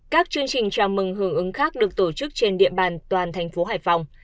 các chương trình chào mừng hưởng ứng khác được tổ chức trên địa bàn toàn thành phố hải phòng